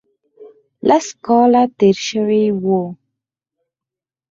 لس کاله تېر شوي وو.